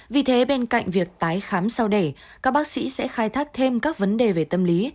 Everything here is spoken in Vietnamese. vì thế bên cạnh việc tái khám sau để các bác sĩ sẽ khai thác thêm các vấn đề về tâm lý